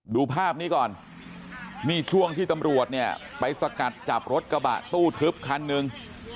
ดูภาพนี้ก่อนนี่ช่วงที่ตำรวจเนี่ยไปสกัดจับรถกระบะตู้ทึบคันหนึ่ง